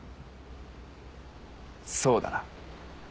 そうだな。